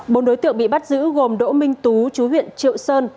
bốn đối tượng bị bắt giữ gồm đỗ minh tú chú huyện triệu sơn